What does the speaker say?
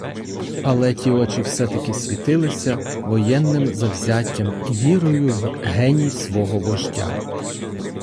Але ті очі все-таки світилися воєнним завзяттям і вірою в геній свого вождя.